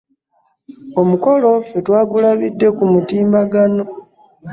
Omukolo ffe twagulabidde ku mutimbagano.